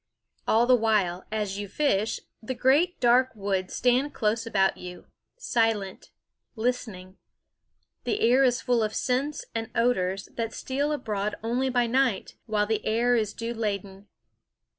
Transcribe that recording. All the while, as you fish, the great dark woods stand close about you, silent, listening. The air is full of scents and odors that steal abroad only by night, while the air is dew laden.